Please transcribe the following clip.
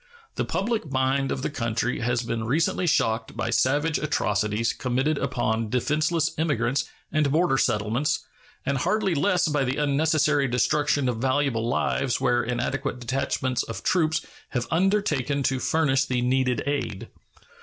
The public mind of the country has been recently shocked by savage atrocities committed upon defenseless emigrants and border settlements, and hardly less by the unnecessary destruction of valuable lives where inadequate detachments of troops have undertaken to furnish the needed aid.